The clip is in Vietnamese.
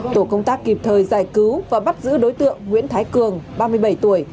tổ công tác kịp thời giải cứu và bắt giữ đối tượng nguyễn thái cường ba mươi bảy tuổi